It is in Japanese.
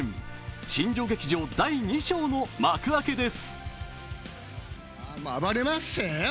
新庄劇場、第２章の幕開けです。